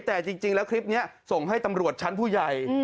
แต่จริงแล้วคลิปนี้ส่งให้ตำรวจชั้นผู้ใหญ่